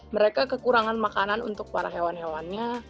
mereka kekurangan makanan untuk para hewan hewannya